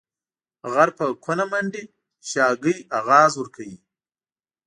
غر په کونه منډي ، شاگى اغاز ورکوي.